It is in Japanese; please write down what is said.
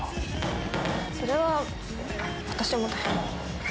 それは私もだよ。